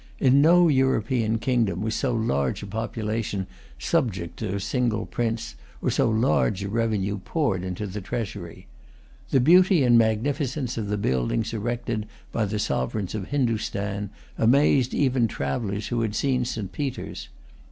In no European kingdom was so large a population subject to a single prince, or so large a revenue poured into the treasury. The beauty and magnificence of the buildings erected by the sovereigns of Hindostan amazed even travellers who had seen St. Peter's.